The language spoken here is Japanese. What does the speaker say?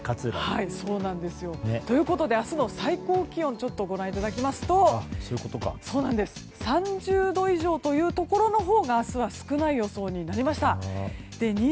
明日の最高気温をご覧いただきますと３０度以上というところのほうが明日は少ない予想となりました。